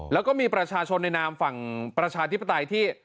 แล้วก็มีประชาชนในนามฝั่งประชาธิปไตยที่